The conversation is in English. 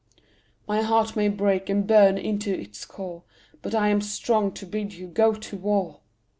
My heart may break and burn into its core, But I am strong to bid you go to war.